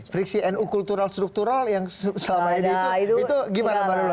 friksi nu kultural struktural yang selama ini itu gimana mbak lula